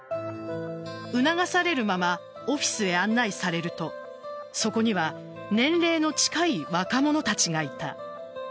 促されるままオフィスへ案内されるとそこには年齢の近い若者たちがいた。